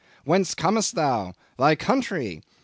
Whence comest thou? Thy country?